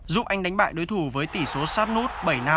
giúp anh đánh bại đối thủ với tỷ số sát nút bảy năm